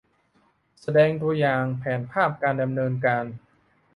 แสดงตัวอย่างแผนภาพการดำเนินการ